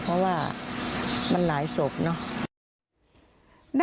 เพราะว่ามันหลายศพเนอะ